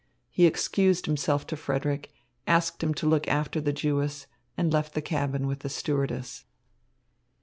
He excused himself to Frederick, asked him to look after the Jewess, and left the cabin with the stewardess.